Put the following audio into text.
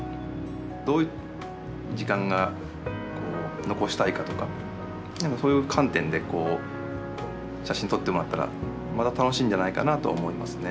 どういう時間が残したいかとかそういう観点で写真撮ってもらったらまた楽しいんじゃないかなとは思いますね。